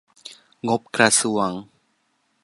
งบกระทรวง